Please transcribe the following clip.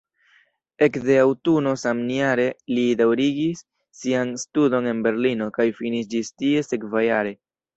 Ekde aŭtuno samjare li daŭrigis sian studon en Berlino kaj finis ĝis tie sekvajare.